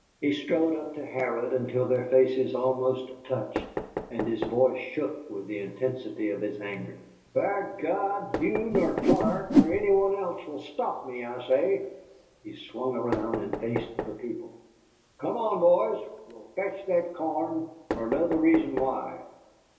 He strode up to Harrod until their faces almost touched, and his voice shook with the intensity of his anger. "By G d, you nor Clark nor any one else will stop me, I say!" He swung around and faced the people. "Come on, boys! We'll fetch that corn, or know the reason why."